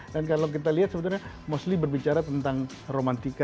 dan kalau kita lihat sebenarnya mostly berbicara tentang romantika